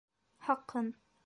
Хаҡын...